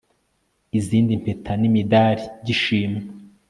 izindi mpeta n'imdari by'ishimwe